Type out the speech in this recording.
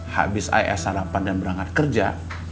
habis ay es sarapan dan berangkat kerja